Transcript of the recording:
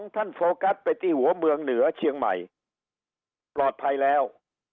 ท่านโฟกัสไปที่หัวเมืองเหนือเชียงใหม่ปลอดภัยแล้ว